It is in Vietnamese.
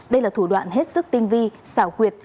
đây là thủ đoạn hết sức tinh vi xảo quyệt